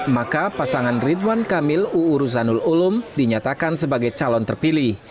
maka pasangan ridwan kamil uu ruzanul ulum dinyatakan sebagai calon terpilih